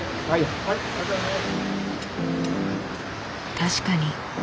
確かに。